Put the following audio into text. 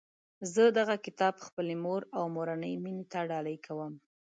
زه دغه کتاب خپلي مور او مورنۍ میني ته ډالۍ کوم